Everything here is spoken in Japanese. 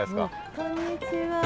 こんにちは。